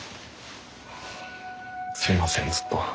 すいませんずっと。